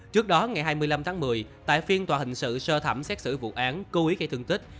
trước đó ngày hai mươi năm tháng một mươi tại phiên tòa hình sự sơ thẩm xét xử vụ án cố ý gây thương tích